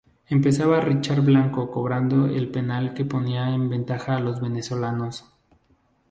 Empezaba Richard Blanco cobrando el penal que ponía en ventaja a los venezolanos.